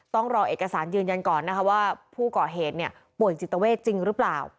ต้องรอเอกสารยืนยันก่อนนะคะว่าผู้ก่อเหตุป่วยจิตเวทจริงหรือเปล่า